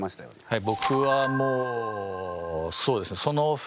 はい。